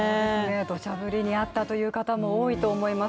どしゃ降りに遭ったという方も多いと思います。